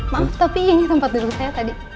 maaf tapi ini tempat duduk saya tadi